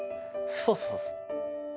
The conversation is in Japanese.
そうそうそう。